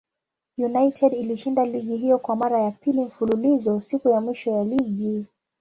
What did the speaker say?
United ilishinda ligi hiyo kwa mara ya pili mfululizo siku ya mwisho ya ligi.